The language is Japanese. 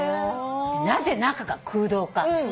なぜ中が空洞か。